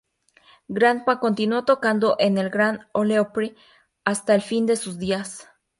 Grandpa continuó tocando en el "Grand Ole Opry", hasta el fin de sus días.